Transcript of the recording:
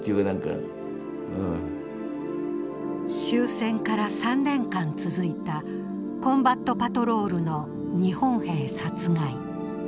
終戦から３年間続いたコンバットパトロールの日本兵殺害。